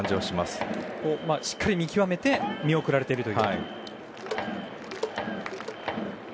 しっかり見極めて見送られていると。